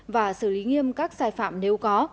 và xử lý nghiêm các sai phạm nếu có